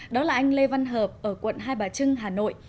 đó là anh lê văn hợp ở quận hai bà trưng hà nội